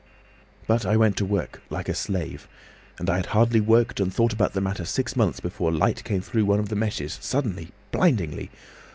"But I went to work—like a slave. And I had hardly worked and thought about the matter six months before light came through one of the meshes suddenly—blindingly!